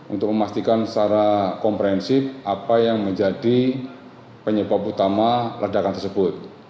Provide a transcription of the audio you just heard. untuk memastikan secara komprehensif apa yang menjadi penyebab utama ledakan tersebut